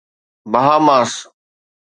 Bahamas